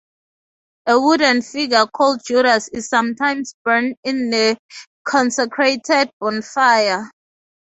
A wooden figure called Judas is sometimes burned in the consecrated bonfire.